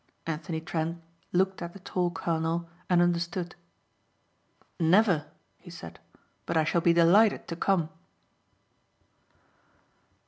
Anthony Trent looked at the tall colonel and understood. "Never," he said, "but I shall be delighted to come."